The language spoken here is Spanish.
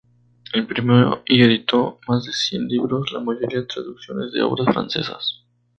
Imprimió y editó más de cien libros, la mayoría traducciones de obras francesas.